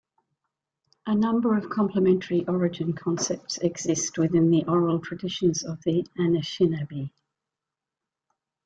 A number of complementary origin concepts exist within the oral traditions of the Anishinaabe.